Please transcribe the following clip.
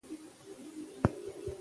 آیا ته د پښتو لنډۍ خوښوې؟